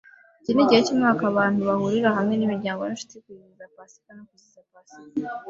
Iki ni igihe cyumwaka abantu bahurira hamwe nimiryango ninshuti kwizihiza Pasika no kwizihiza Pasika.